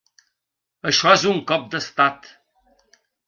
Això és un cop d’estat!